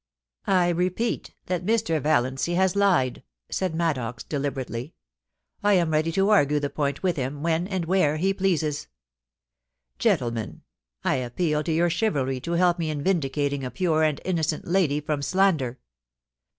* I repeat that Mr. Valiancy has lied,' said Maddox, deliberately. *I am ready to argue the point with him when and where he pleases. Gentlemen, I appeal to your chivalry to help me in vindicating a pure and innocent lady from slander.